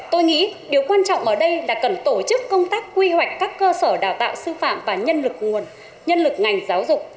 tôi nghĩ điều quan trọng ở đây là cần tổ chức công tác quy hoạch các cơ sở đào tạo sư phạm và nhân lực nguồn nhân lực ngành giáo dục